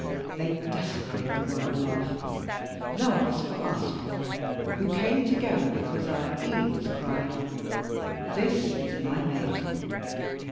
They desecrate the word love. Love is for us, Paul, who came together because our beings cried, 'This is my mate!'